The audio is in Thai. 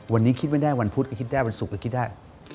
วันนี้คิดไม่ได้วันพุธก็คิดได้วันศุกร์ก็คิดได้